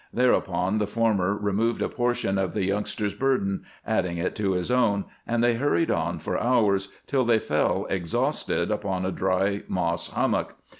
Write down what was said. Thereupon the former removed a portion of the youngster's burden, adding it to his own, and they hurried on for hours, till they fell exhausted upon a dry moss hummock.